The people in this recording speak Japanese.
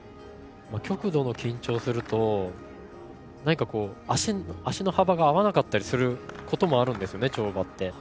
極度の緊張をすると足の幅が合わなかったりすることもあるんです、跳馬は。